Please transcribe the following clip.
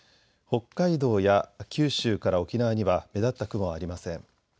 北海道や九州から沖縄には目立った雲はありません。